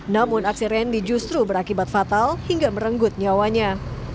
namun aksi randy justru berakibat fatal hingga merenggut nyawanya